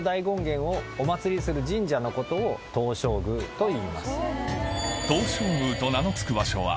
といいます。